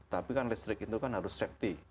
tapi kan listrik itu kan harus safety